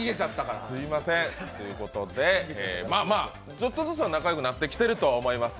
ちょっとずつは仲良くなってきてるとは思います。